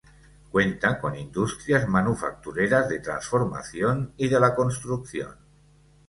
Cuenta con industrias manufactureras, de transformación y de la construcción.